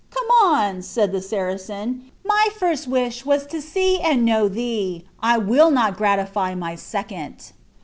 "Come on," said the Saracen, "my first wish was to see and know thee; I will not gratify my second."